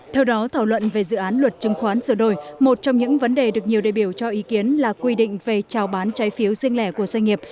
theo đó thảo luận về dự án luật chứng khoán sửa đổi một trong những vấn đề được nhiều đề biểu cho ý kiến là quy định về trào bán trái phiếu sinh lẻ của doanh nghiệp